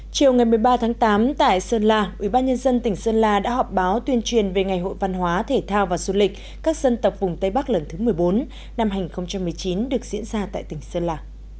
chiều ngày một mươi ba tháng tám tại sơn la ubnd tỉnh sơn la đã họp báo tuyên truyền về ngày hội văn hóa thể thao và du lịch các dân tộc vùng tây bắc lần thứ một mươi bốn năm hai nghìn một mươi chín được diễn ra tại tỉnh sơn la